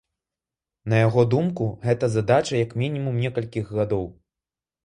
На яго думку, гэта задача як мінімум некалькіх гадоў.